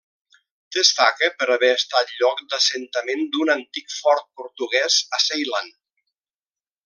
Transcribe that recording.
Destaca per haver estat lloc d'assentament d'un antic fort portuguès a Ceilan.